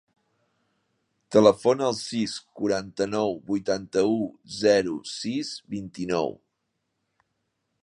Telefona al sis, quaranta-nou, vuitanta-u, zero, sis, vint-i-nou.